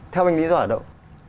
theo anh lý do ở đâu